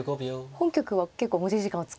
本局は結構持ち時間を使って。